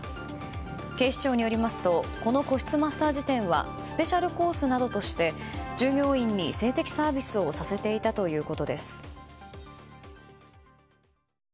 警視庁によりますとこの個室マッサージ店はスペシャルコースなどとして従業員に性的サービスをさせていたということです。